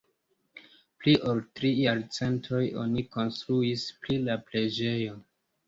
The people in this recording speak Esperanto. Pli ol tri jarcentojn oni konstruis pri la preĝejo.